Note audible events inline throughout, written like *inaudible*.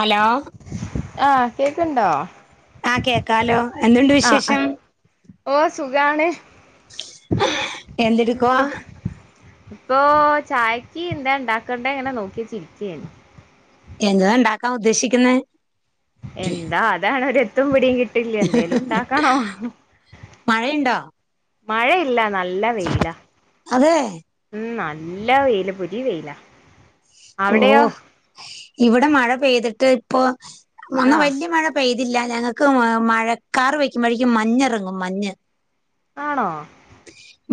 Hello ആ കേക്കണ്ടോ ആഹ കേക്കാലോ എന്തുണ്ട് വിശേഷം സുഖണ് എന്ത്ടുക്ക ഇപ്പൊ ഇപ്പൊ ചായക്ക് എന്താ ഉണ്ടാക്കണ്ട ഇങ്ങനെ നോക്കി ഇരിക്കാണ് എന്താ ഉണ്ടാക്കാം ഉദ്ദേശിക്കുന്ന എന്താ അതാണ് തും പിടി ട്ടില്ല എന്തേലും ഉണ്ടാക്കണോ മഴയുണ്ടോ മഴ ഇല്ല നല്ല വെയില അതെ എല്ലാ വെയില പുരി വെയിലാ ഓ അവിടെയോ ഇവിടെ മഴ പെയ്തിട്ട് ഇപ്പൊ *unintelligible* ആഹ് വലിയ മഴ പെയ ഇതില്ല ഞങ്ങൾക്ക് മഴക്കാർ വയ്ക്കുമ്പോഴേക്കും മഞ്ഞ ഇറങ്ങും മഞ്ഞ് ആണോ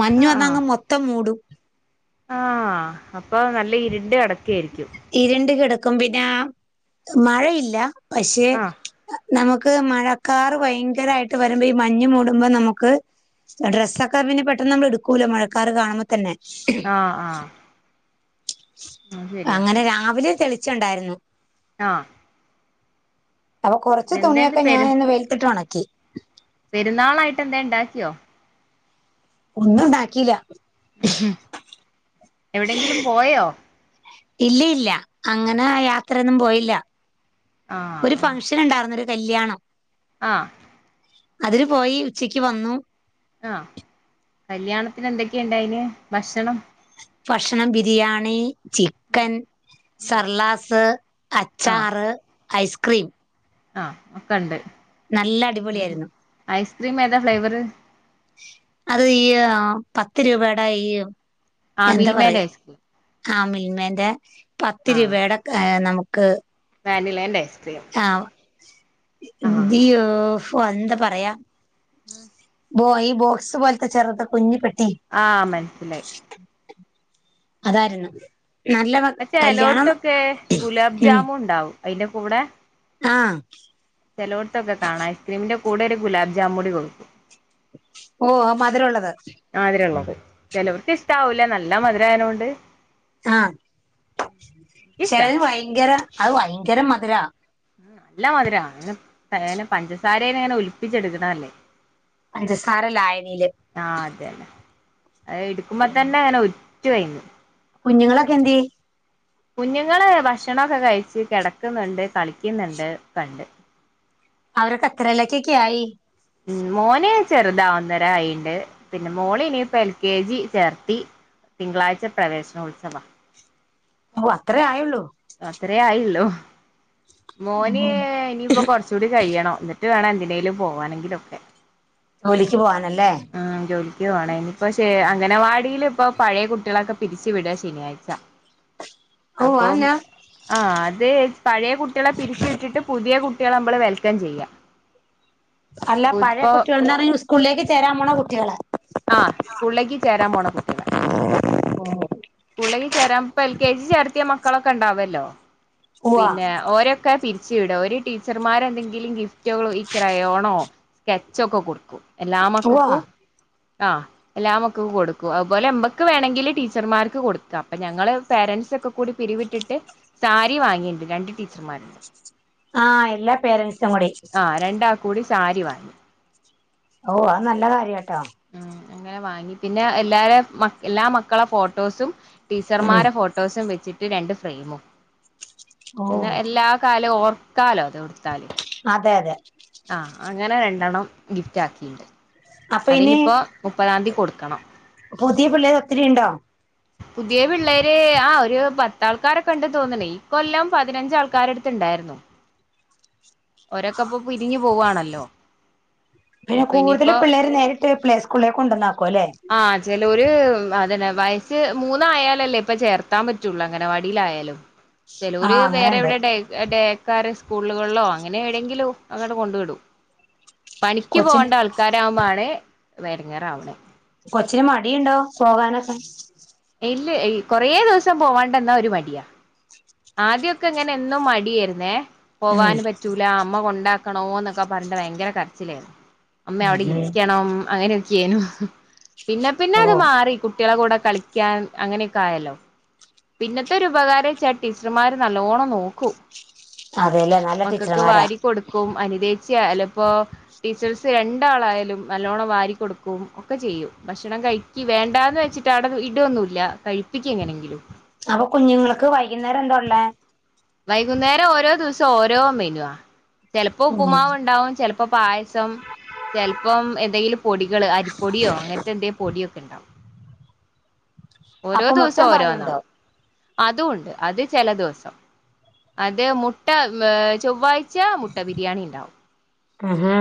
മഞ്ഞു വന്നങ് മൊത്തം മൂടും ആ അപ്പൊ നല്ല ഇരുണ്ട് കെടക്കായിരിക്കും ഇരുണ്ട് കിടക്കും പിന്നെ മഴയില്ല പക്ഷെ ആഹ് നമുക്ക് മഴക്കാർ ഭയങ്കരമായിട്ട് വരുമ്പോ ഈ മഞ്ഞ് മൂടുമ്പോൾ നമുക്ക് ഡ്രസ്സൊക്കെ പിന്നെ പെട്ടെന്ന് നമ്മൾ എടുക്കൂല്ലോ മഴക്കാർ കാണുമ്പോ തന്നെ ആ ആ അങ്ങനെ രാവിലെ തെളി ണ്ടായിരുന്നു ആ അപ്പൊ കുറച്ച് തുണിയൊക്കെ ഞാൻ പെരു ഇന്ന് വെൽത്തിട്ടണ ക്കെ പെരുന്നാളായിട്ട് എന്താ ഇണ്ടാക്കിയോ ഒന്നും ഇണ്ടാക്കിയില്ല ഉ ഹം എവിടെങ്കിലും പോയോ ഇല്ല ഇല്ല അങ്ങനെ ആഹ് യാത്രയന്നും പോയി ഇല്ല ആഹ് ഒരു ആഹ് ഫംഗഷൻ ഉണ്ടാര്ന്ന് കല്യാണം- ആഹ് - അതിന് പോയി ഉച്ചക്ക് വന്നു- ആഹ് കല്യാണത്തിന് എന്തൊക്കെയുണ്ടായിന് ഭക്ഷണം- ഭക്ഷണം ബിരിയാണി- ചിക്കൻ സർലാസ് അച്ചാറ് ഐസ്- ക്രീം- ആ ഒക്കണ്ട്- നല്ല അടിപൊളിയാരുന്നു- ക്രീമേതാ ഫ്ലേവറ്- അത് ഈ യ് പത്ത് രൂപേടെഈ- ആമിൽമേടെ ഐസ് ൽമേടെ- പത്ത് രൂപേടെ ആ നമ്ക്ക് - ക്ക് വാനിലേസ്‌- ആ *unintelligible* പ്പോ എന്താ പറയാ- *inaudible* ബോ ഈ ബോക്സ് പോലത്തെ ചെറുത് കുഞ്ഞി പ്പെ ആ മൻസിലായി അതാര്ന്നു ചെലോട്ത്തൊക്കെ ഗുലാബ് ജാമുണ്ടാവും അയിന്റെ കൂടെ ആ ചെലോടത്തൊക്കെ കാണാം ഐസ്ക്രീമിന്റെ കൂടെ ഒരു ഗുലാബ് ജാമൂടി കൊടുക്കും ഓ ആ മധുരൊള്ളത് ഉം ല്ല നല്ല മധുരായനോണ്ട് ആ എനിക്കിഷ്ടാ ചെലത് ഭയങ്കര അഹ് വയങ്കര മധുരാ മ്മ് നല്ല മധുര ങ്ങനെതേന് പഞ്ചസാരേനെങ്ങനെ ഒലിപ്പിച്ചെടുക്കണല്ലേ പഞ്ചസാര ലായനിയില് ആ അതെന്നെ അയെടുക്കുമ്പോ തന്നെ അങ്ങനെ ഒൽ *unintelligible* കുഞ്ഞുങ്ങളൊക്കെ എന്ത്യെ കുഞ്ഞുങ്ങള് ഭക്ഷണൊക്കെ കഴിച്ച് കെടക്കുന്നുണ്ട് കളിക്കുന്നുണ്ട് ക്ക്ണ്ട് അവരൊക്കെത്രേലെക്കൊക്കെയായി പിൻ മോന് ചെറുതാ ഒന്നര ആയിണ്ട് പിന്നെ മോളിനിയിപ്പോ എൽ കെ ജി ചേർത്തി തിങ്കളാഴ്ച പ്രവേശനോത്സവ ഉവ്വ അത്രേ ആയുള്ളൂ. അത്രേ ആയിള്ളു മോന് ഇനിയിപ്പോ കൊറച്ചൂടി കഴിയണം ട്ട് വേണം എന്തിനേലും പോവാനെങ്കിലൊക്കെ ജോലിക്ക് പോവാൻ ഉം ജോലിക്ക് പോണം ഇനിപ്പഷേ അങ്ങനെ അംഗനവാടി ഇപ്പൊ പഴയ കുട്ടികളൊക്കെ പിരിച്ചു വിടുക ശനിയാഴ്ച ഓ അപ്പം അതെന്നാ ആ അത് പഴയ കുട്ടികളെ പിരിച്ചു വിട്ടിട്ട് പുതിയ കുട്ടികളെ നമ്മള് വൽ ത്തം ചെയ്യ അല്ല പഴയ കുട്ടികളന്റെ സ്കൂളിലേക്ക് ചേരാൻ പോണ കുട്ടികളെ ആ സ്കൂളിലേക്ക് ചേരാൻ പോണ കുട്ടികള സ്കൂളിലേക്ക് ചേരാൻ എൽ കെ ജി ചേർത്തിയ മക്കളൊക്കെ ഉണ്ടാവല്ലോ ഉവ്വാ പിന്നെ ഓരൊക്കെ പിരി ട ഒരു ടീച്ചർമാരെ എന്തെങ്കിലും ഗിഫറ്റ് റ്റ ക്കരയോണോ സ്കെച്ച്ഒക്കെ കൊടുക്കും എല്ലാ ഉവ്വാ മക്കക്കും ആ എല്ലാ മക്കകും കൊടുക്കും അതുപോലെ എമ്പൊക്ക് വേണെങ്കില് ടീച്ചർമാർ കൊടുക്ക അപ്പൊ ഞങ്ങള് പേരന്റ്സ് ഒക്കെ കൂടി പിരിവിട്ടിട്ട് സാരി വാങ്ങിട്ടുണ്ട് രണ്ട് ടീച്ചർമാരുണ്ട് ആഹ എല്ലാ പേരൻസ് ച്ചമ്മടി ആഹ് രണ്ടാൾക്കും കൂടി സാരി വാങ്ങി ഓ അത് നല്ല കാര്യ ട്ട ഉം അങ്ങനെ വാങ്ങി പിന്നെ എല്ലാര മ എല്ലാ മക്കളെ ഫോട്ടോസും ഉം ടീച്ചർമാരെ ഫോട്ടോസും വെച്ചിട്ട് രണ്ട് ഫ്രെയിമും പി ഓ എല്ലാ കാല ഓർക്കാലോ എടുത്താല് അതെ അതെ അ അ അങ്ങനെ രണ്ടെണ്ണം ഗിഫ്റ്റ് ആക്കിണ്ട് അപ്പൊ ഇനി പുതിയ പിള്ള ഒത്തരിണ്ടോ പുതിയ പിള്ളേര് ആ ഒരു പത്താ ആൾക്കാരൊക്കെണ്ട് തോന്നണ ഈ കൊല്ലം പതിനഞ്ചാൾക്കാാരടുത്തുണ്ടായിരുന്നു ഒരൊക്കെപ്പൊ പിരിഞ്ഞു പോവാവാണല്ലോ പിന്നെ കൂടുതല് പിള്ളേര് നേരിട്ട് പ്ലേ സ്കൂളിലേക് കൊണ്ടനക്കോ ല്ലേ ആഹ ചില ഒരു അതന്നെ വയസ് മൂന്നായാലല്ലേ ഇപ്പ ചേർത്താൻ പറ്റുള്ളൂ അഗനെവാടിയിലായാലും ചെലര് ആഹ് വേറെ അങ്ങനെയുണ്ട് എവിടെ ആക്കാര് സ്കൂളുകളിലോ അങ്ങനെ എവിടെയെങ്കിലും അങ്ങട്ട് കൊണ്ട് വിടും പണിക്ക് കൊച്ചിന് പോകേണ്ട ആൾക്കാരാവുബ ആണ് വരങ്ങാറാവനത് കൊച്ചേ മടിയുണ്ടോ പോകാനൊക്കെ ഇല്ല കുറേ ദിവസം പോവാ ണ്ടെന്നാ ഒരു മടിയാ ആദ്യൊക്കെ അങ്ങനെ എന്നും മടിയായിരുന്നേ ഉം പോവാന് പറ്റൂല അമ്മ കൊണ്ടാക്കണോ എന്നൊക്കെ പറഞ്ഞ് ഭയങ്കര കരച്ചിലായിരുന്നു അമ്മ അവിടെ ഉം ഇരിക്കണം അങ്ങനെ അ ചെയെന്നു പിന്നെ പിന്നെ ഓ അത് മാറി കുട്ടികളെ കൂടെ കളിക്കാൻ അങ്ങനെയൊക്കെ ആയല്ലോ പിന്നത്തെരു ഉപകാരം വെച്ചാ ടീച്ചർമാര് നല്ലവോണം നോക്കൂ അതെയല്ലേ നല്ല ടീച്ചർമാരാ യാല ഇപ്പൊ ടീച്ചേഴസ് രണ്ടാളായാലും നല്ലോണം വാരി കൊടുക്കും ഒക്കെ ചെയ്യും ഭക്ഷണം കഴിക്കി വേണ്ടാന്ന് വെച്ചിട്ട് അവിടെ ഇടൊന്നുമല്ല കഴിപ്പിക്ക് എങ്ങനെങ്കിലും അപ്പൊ കുഞ്ഞുങ്ങൾക്ക് വൈകുന്നേരം എന്താ ഉള്ളേ വൈകുന്നേരം ഓരോ ദിവസം ഓരോ മെനുവാ ചിലപ്പോ ഉം ഉപ്പു്മാവ് ഉണ്ടാവും ചിലപ്പോ പായസം ചിലപ്പം എന്തെങ്കിലും പൊടികള് അരിപ്പൊടിയോ അങ്ങനത്തെ എന്തെിലും പൊടിയൊക്കെ ഉണ്ടാവും ഓരോ അപ്പൊ ദിവസം മുട്ടയും പാലും ഓരോന്നാ ഉണ്ടോ അതും ഉണ്ട് അത് ചില ദിവസം അത് മുട്ട ഏർ ചൊവ്വാഴ്ച മുട്ട ബിരിയാണി ഉണ്ടാവും ആ ഹാ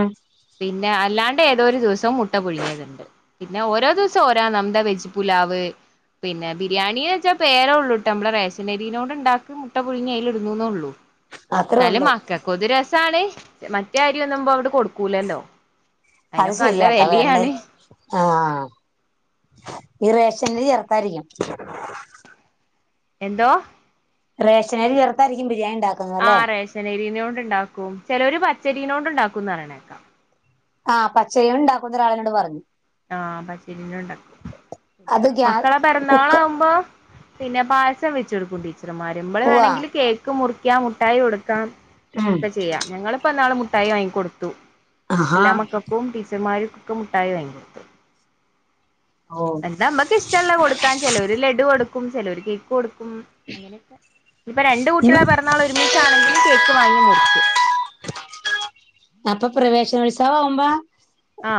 പിന്നെ അല്ലാണ്ട് ഏതോരു ദിവസം മുട്ട പുഴുങ്ങിയത്ണ്ട് പിന്നെ ഓരോ ദിവസം ഓരാ നമ്മുടെ വെജ് പുലാവ് പിന്നെ ബിരിയാണിന്ന് വെച്ചാ പേരേ ഉള്ളു ഇട്ട് നമ്മളുടെ റേഷനരിനോട്ണ്ടാക്കി മുട്ട പുഴുങ്ങിയ അതിൽ ഇടുന്നൂന്നേ ഉള്ളു അത്രേ എന്നാലും ഉള്ളൂ മക്കൾക്ക് ഒരു രസാണ് മറ്റ അരി ഒന്നുമ്പോ അവിടെ കൊടുക്കും അത് ശരിയാട്ടാ വെള്ള വിലയാണ് ആ ആ. ഈ റേഷനരി ചേർത്താരിക്കും എന്തോ റേഷനരി ചേർത്തായിരിക്കും ബി രിയാണി ആ റേഷനരിനൊണ്ട് ഉണ്ടാക്കും. ചെലൊര് പച്ച ച്ചരിനോണ്ട് ഉണ്ടാക്കുംന്ന് പ റയണേക്കാം ആ പച്ചരി ഉണ്ടാക്കുന്ന ഒരാളിനോട് പറഞ്ഞു ആ പച്ചരിനോട് ഉണ്ടാക്കും. പിന്നെ അത് ഗ്യാ മക്കളെ കുക്ക് പിറന്നാളാവുമ്പോ പിന്നെ പായസം വെച്ചെടുക്കണ്ടി വന്മാര് മ്മള് ഉവ്വാ വേണമെങ്കിൽ കേക്ക് മുറി ക്യാ മുട്ടായി കൊടുക്കാം ഉം ഒക്കെ ചെയ്യാം ഞങ്ങളിപ്പോ ഇന്നാള് മുട്ടായി വാങ്ങിക്കൊടുത്തു ആഹാ എല്ലാ മക്കൾക്കും ടീച്ചർമാരും ക്ക് മുട്ടായി വാങ്ങി കൊ ഓ ന്താ മ്മക്ക് ഇഷ്ടല്ല കൊടുക്കാൻ ചെലോര് ലഡു കൊടു ചെലോര് കേക്ക് കൊടു മ് അങ്ങനൊക്കെ ഇപ്പൊ രണ്ട് കുട്ടികളെ പിറന്നാൾ ഒരുമിച്ചാണെങ്കിൽ കേക്ക് വാങ്ങി മുറിക്കും ഷനോത്സവം ആവുമ്പം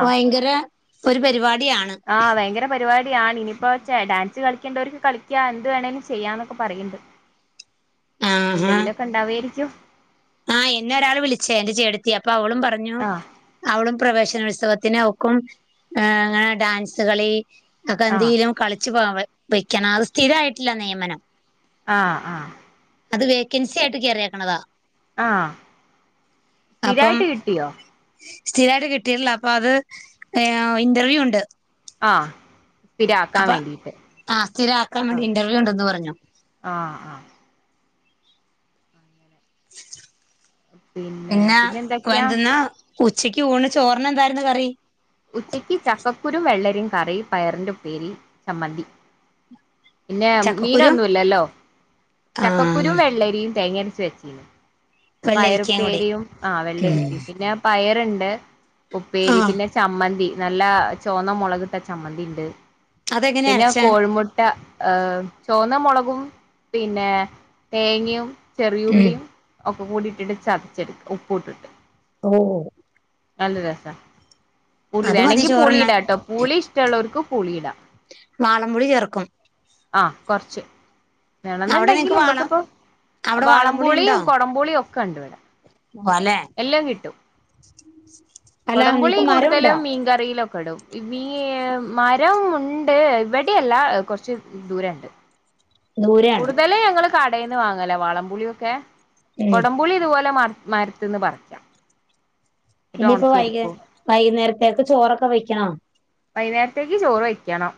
ഭയങ്കര ഒരു പരിപാടി ആ ഭയങ്കര പരിപാടിയാണ് ഇനി ഇപ്പൊ ഡാൻസ് കളിക്കണ്ടവർക്ക് കളിക്കാ എന്ത് വേണേങ്കിലും ചെയ്യാന്നൊക്കെ പറയണ്ട് നി ആഹാ എന്തെങ്കിലുംക്കെ ഇണ്ടാവേയിരിക്കും ആഹ് എന്ന ഒരാൾ വിളിച്ചേ എന്റെ ചേടത്തി അ അപ്പ അവളും പറഞ്ഞു ആഹ് അവളും പ്രവേശനോൽ ത്സവത്തിനൊക്കും ആ *unintelligible* ഡാൻസ് ച്ച കളി ആഹ് *unintelligible* കളിച്ച് *unintelligible* വയ്ക്കണം അത് സ്ഥിരായിട്ടില്ല നിയമനം ആ ആ അത് വേക്കൻസി ആയിട്ട് കേറിയേക്കണതാ ആ അപ്പം സ്ഥിരായിട്ട് കിട്ടിയോ സ്ഥിരായിട്ട് കിട്ടിട്ടില്ല അപ്പൊ അത് ഇന്റർവ്യൂ ഉണ്ട് ആ അപ്പൊ ആ സ്ഥിര ആക്കാൻ വേണ്ടി ആഹ് ഇന്റർവ്യൂ ഉണ്ടെന്ന് പറഞ്ഞു ആഹ് ആഹ് *unintelligible* പിന്നെ പിന്നെ എന്തൊക്കെയാ വേണ്ടുന്ന ഉച്ചക്ക് ഊണ് ചോർന്ന് എന്തായിരുന്നു കറി ഉച്ചയ്ക്ക് ചക്കക്കുരു വെള്ളരിയും കറി പയറിന്റെ ഉപേരി ചമ്മന്തി പിന്നെ ചക്കക്കുരും മീനൊന്നുല്ലല്ലോ ആ ചക്കക്കുരും വെള്ളരിയും തേങ്ങരച്ച് വെചീന്നു വെള്ളരിക്കയും കൂടി പയറുപ്പേരിയും ആ വെള്ള ഉം രിക്കി പിന്നെ പയറു ണ് ആ ഉപ്പേരി പിന്നെ ചമ്മന്തി നല്ല ചുവന്ന മുളകിട്ട ചമ്മന്തിണ്ട്. അതെങ്ങനെ പിന്നെ അരച്ച കോഴിമുട്ട ഏ ചുവന്ന മുള ഓ പിന്നെ തേങ്ങയും ഉം ചെറിയുള്ളിയും ഒ ഉപ്പ കൂടിയിട്ടിട്ട് ചതച്ചെടുക്ക ഉപ്പ് ഇട്ടിട്ട്. ഓ നല്ല രസ. പുളി അത് മതി വേണങ്കി പുളി ചോറുണ്ണാൻ ഇടാട്ടോ, പുളി ഇഷ്ടമുള്ളവർക്ക് പുളിയിടാം. വാളംപുളി ചേർക്കും. ആ കൊറച്ച്. അവിടെ വേണെന്നുണ്ടെങ്കിൽ നിങ്ങക്ക് വാളം ഇമക്കിപ്പ അവിടെ വാളംപുളി ഉണ്ടോ വാളംപുളിയും കുടംപുളിയും ഒക്കെ ഉണ്ടിവിടെ. അല്ലെ എല്ലാം കിട്ടും. അല്ല കൊടംപുളി നിങ്ങക്ക് മരം ഉണ്ടോ കൂടുതലും മീൻകറിയിലൊ ഒ ക്കെയിടും. *unintelligible* *unintelligible* ഉണ്ട് ഇവിടെല്ല കുറച്ച് ദൂര ഇണ്ട് ദൂരെയാണ് കൂടുതൽ ഞങ്ങൾ കടേന്ന് വാങ്ങലാ വാളംപുളിയൊക്കെ ഉം കൊടംപുളി ഇതുപോലെ മാ മരത്ത്ന്ന് പറിക്കാം. എന്നിട്ട് ഇനിയിപ്പ വൈക ഒണക്കിയെടുക്കും വൈകുന്നേര ത്തേക്ക് ചോറൊക്കെ വെക്കണോ? വൈന്നേരത്തേക്ക് ചോറ് വെക്കണം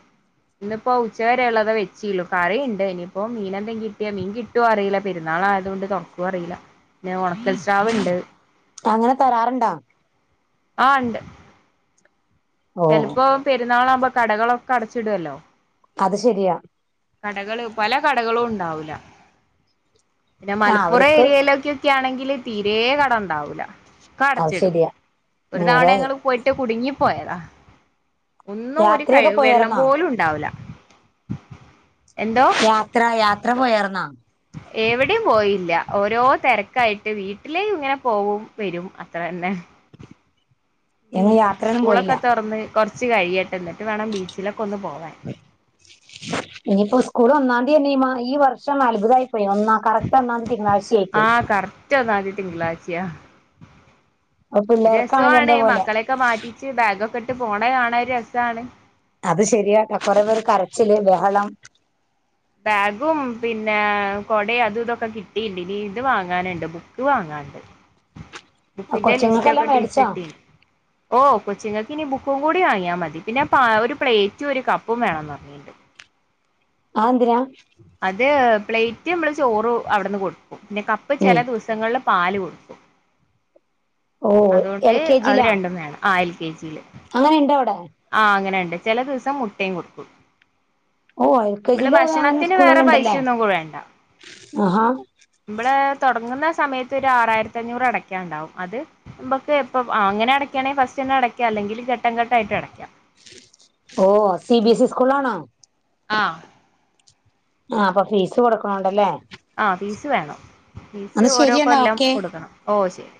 ന്ന് പ്പോ ഉച്ചവരെ ഉള്ളതെ വെച്ചീള്ളൂ. കറീണ്ട് ഇനിയിപ്പോ മീനെന്തേ കിട്ടിയാ മീൻ കിട്ടോ അറിയില്ല പെരുന്നാൾ ആയതോണ്ട് തുറക്കോ അറീല്ല പിന്നെ ഉണക് അങ്ങനെ തരാറുണ്ടാ? ആ ണ്ട്. ഓ ചെലപ്പോ പെരു ന്നാളാവുമ്പൊ കടകളൊക്കെ അടച്ചിടൊല്ലോ. അത് ശെരിയാ കടകള് പല കടകളും ഉണ്ടാവൂല. പിന്നെ ആ മലപ്പുറം അവർക്ക് ഏരിയയിലൊക്കെക്കാണെങ്കി ല് തീരെ കടണ്ടാവൂല. ഒക്കെ അത് അടച്ചിടും. ശരിയാ ഒരു തവണ നേരാ അത് ഞങ്ങൾ പോയിട്ട് കുടുങ്ങി പോയതാ ഒന്നും ഒരു കൈ യാത്രയൊക്കെ വെള്ളം പോയാർന്നോ പോലും ഉണ്ടാവൂല. എന്തോ യാത്ര യാത്ര പോയർന്നാ എവിടിം പോയില്ല ഓരോ തിരക്കായിട്ട് വീട്ടിലേ ഇങ്ങനെ പോ വും വരും അത്ര തന്നെ മ് ഞങ്ങൾ യാത്രയൊന്നും പോയില്ല സ്കൂളൊക്കെ തൊറന്ന് കുറച്ച് കഴയിയട്ടെ എന്നിട്ട് വേണം ബീച്ചിലൊക്കെ ഒന്ന് പോവാൻ ഇനിയിപ്പോ സ്കൂൾ ഒന്നാം ന്തി തന്നെ‌ ഈ വർഷം അ ത്ഭുതമായി പോയി ഒന്നാ കറക്റ്റ് ഒന്നാംന്തി തിങ്കളാഴ്ച ആയി പോയി സ്യ അപ്പൊ പിള്ളേർക്കാണെലും രസമാണ് എന്തോ പോലെ മക്കളെയൊക്കെ മാറ്റിച്ച് ബാഗൊക്കെ ഇട് ഇട്ട് പോണ കാണാൻ രസാണ് അത് ശരിയാട്ട കൊറെ പേര് കരച്ചില് ബഹളം ബാഗും പിന്നെ കൊടയും അതും ഇതൊക്കെ കിട്ടിയിട്ടിണ്ട് ഇനി ഇത് വാങ്ങാനുണ്ട് ബുക്ക് വാങ്ങാനുണ്ട് ആ ബുക്കിന്റെ കൊച്ചുങ്ങൾക്കെല്ലാം ലിസ്റ്റൊക്കെ ടീച്ചർ മേടിച്ചോ ഇട്ടിനി ഓ കൊച്ചുങ്ങൾക്കിനി ബുക്കും കൂടി വാങ്ങിയാ മതി പിന്നെ ഒരു പ്ലേറ്റും ഒരു കപ്പും വേണംന്ന് പറഞ്ഞിട്ടിണ്ട് ആന്തിനാ പ്ലേറ്റ് നമ്മൾ ചോറ് അവിടുന്ന് കൊടുക്കും പിന്നെ കപ്പ് ചില ഉം ദിവസങ്ങളിൽ പാല് കൊടുക്കും ഓ അതുകൊണ്ട് എൽ കെ ജി അത് ലാ? രണ്ടും ആ എൽ കെ ജി യിൽ അങ്ങനെ ഇണ്ട് അവിടെ ആഹ അങ്ങനെ ചില ദിവസം മുട്ടയും കൊടുക്കും ഓ എൽ കെ ജി നമ്മള് ലും അ അങ്ങനെ ഭക്ഷണത്തിന് സ്കൂൾ കൾ വേറെ ഉണ്ടല്ലേ പൈസയൊന്നും വേണ്ട ആഹാ തൊടങ്ങുന്ന സമയത്ത് ഒരു ആറായിരത്തി അഞ്ഞൂറ് അടയ്ക്കാൻ ഉണ്ടാവും അത് നമുക്ക് എപ്പോ അ അങ്ങനെ അടക്കയാണെങ്കിൽ ഫസ്റ്റ് തന്നെ അടക്കാം അല്ലെങ്കിൽ ഘട്ടംഘട്ടാ യിട്ട് അടയ്ക്കാം ഓ സി ബി എസ് സി സ്കൂളിലാണോ ആ ആ അപ്പൊ ഫീസ് കൊടുക്കണോണ്ടല്ലേ ആഹ ഫീസ് വേണം ഫീസ് എന്നാ ഓരോ ശരിയെന്നാ കൊല്ലാം ഓക്കെ കൊടുക്കണം ഓ ശരി